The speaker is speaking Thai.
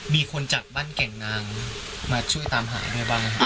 มีคนจากบ้านแก่งนางมาช่วยตามหาด้วยบ้างไหมครับ